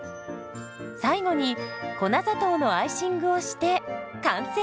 最後に粉砂糖のアイシングをして完成。